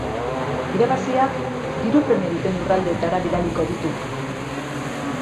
Irabaziak diru premia duten lurraldeetara bidaliko ditu.